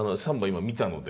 今見たので。